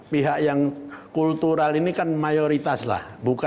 pihak yang kultural ini kan mayoritas lah